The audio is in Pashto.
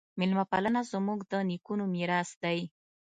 میلمه پالنه زموږ د نیکونو میراث دی.